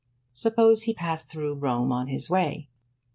Suppose he passed through Rome on his way.